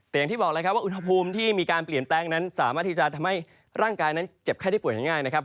แต่อย่างที่บอกเลยครับว่าอุณหภูมิที่มีการเปลี่ยนแปลงนั้นสามารถที่จะทำให้ร่างกายนั้นเจ็บไข้ได้ป่วยง่ายนะครับ